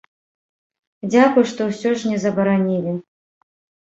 Дзякуй, што ўсё ж не забаранілі!